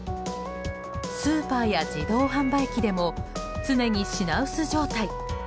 スーパーや自動販売機でも常に品薄状態。